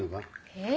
えっ？